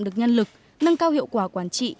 được nhân lực nâng cao hiệu quả quản trị